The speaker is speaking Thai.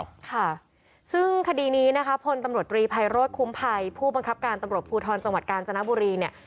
ค่ะซึ่งคดีนี้นะคะพลตำรวจตรีภัยโรธคุ้มภัยผู้บังคับการตำรวจภูทรจังหวัดกาญจนบุรีเนี่ย